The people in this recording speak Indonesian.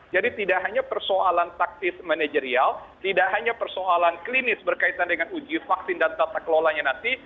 jadi tidak hanya persoalan taktis manajerial tidak hanya persoalan klinis berkaitan dengan uji vaksin dan tata kelola nanti